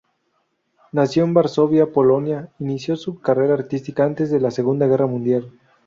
Nacido en Varsovia, Polonia, inició su carrera artística antes de la Segunda Guerra Mundial.